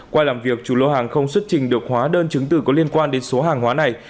qua làm việc chủ lô hàng không xuất trình được hóa đơn chứng từ có liên quan đến số hàng hóa này